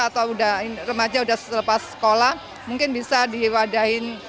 atau remaja udah selepas sekolah mungkin bisa diwadahi